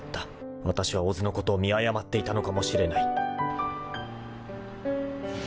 ［わたしは小津のことを見誤っていたのかもしれない］